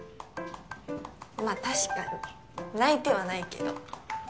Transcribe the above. まぁ確かに泣いてはないけど。